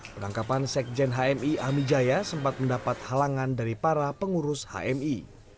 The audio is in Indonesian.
penangkapan sekjen hmi amijaya sempat mendapat halangan dari para pengurus hmi